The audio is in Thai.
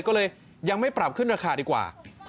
ก็เลยยังไม่ปรับขึ้นราคาดีกว่า